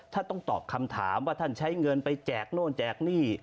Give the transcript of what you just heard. ต้องตอบคำถามว่าท่านใช้เงินไปแจกโน่นแจกหนี้